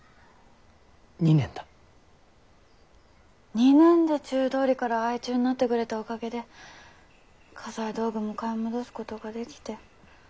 ２年で中通りから相中になってくれたおかげで家財道具も買い戻すことができて暮らしも随分楽になった。